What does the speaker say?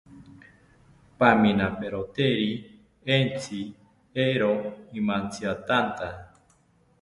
Paminaperoteri entzi, eero imantziatanta